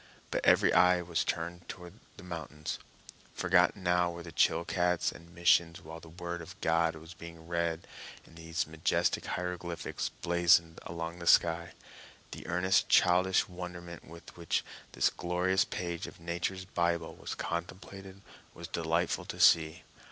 But every eye was turned to the mountains. Forgotten now were the Chilcats and missions while the word of God was being read in these majestic hieroglyphics blazoned along the sky. The earnest, childish wonderment with which this glorious page of Nature's Bible was contemplated was delightful to see.